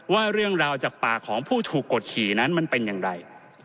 ว่าเรื่องราวจากปากของผู้ถูกกดขี่นั้นมันเป็นอย่างไร